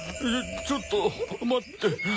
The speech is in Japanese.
ちょっとまって。